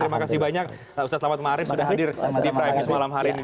terima kasih banyak ustaz selamat maret sudah hadir di privace malam hari ini